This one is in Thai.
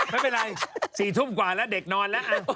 ไม่เป็นไร๔ทุ่มกว่าแล้วเด็กนอนแล้ว